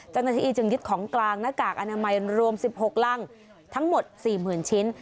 เจ้าหน้าที่จึงยึดของกลางหน้ากากอนามัยรวม๑๖รังทั้งหมด๔๐๐๐ชิ้น